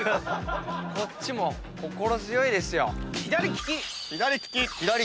こっちも心強いですよ。